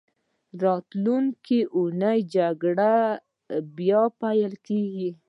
راتلونکې اونۍ جګړه بیا پیلېږي.